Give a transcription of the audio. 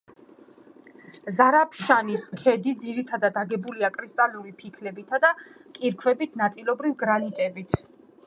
ზარაფშანის ქედი ძირითადად აგებულია კრისტალური ფიქლებითა და კირქვებით, ნაწილობრივ, გრანიტებით.